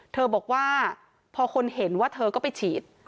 เธอบอกว่าพอคนเห็นว่าเธอก็ไปฉีด